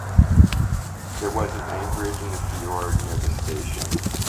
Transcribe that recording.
There was an anchorage in the fjord near the station.